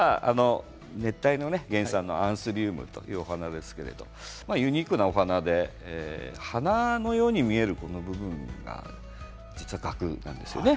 熱帯原産のアンスリウムというお花ですけれどもユニークなお花で花のように見える部分が実はガクなんですよね。